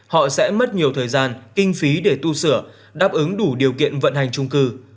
họ sẽ mất nhiều thời gian kinh phí để tu sửa đáp ứng đủ điều kiện vận hành trung cư